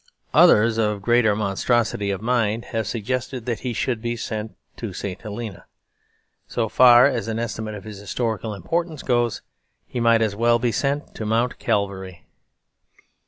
Others, of greater monstrosity of mind, have suggested that he should be sent to St. Helena. So far as an estimate of his historical importance goes, he might as well be sent to Mount Calvary.